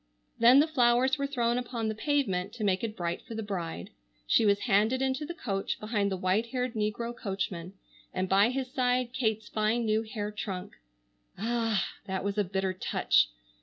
Then the flowers were thrown upon the pavement, to make it bright for the bride. She was handed into the coach behind the white haired negro coachman, and by his side Kate's fine new hair trunk. Ah! That was a bitter touch!